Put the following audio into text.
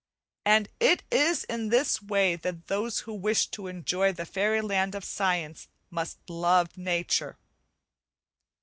And it is in this way that those who wish to enjoy the fairy land of science must love nature.